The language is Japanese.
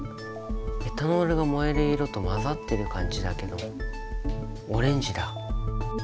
エタノールが燃える色と混ざってる感じだけどオレンジだ。